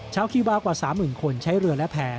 ชาวคิวบาร์กว่า๓๐๐๐๐คนใช้เรือและแผ่